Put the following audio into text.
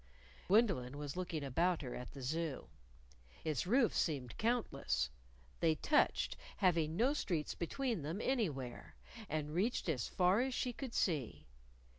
Gwendolyn was looking about her at the Zoo. Its roofs seemed countless. They touched, having no streets between them anywhere, and reached as far as she could see.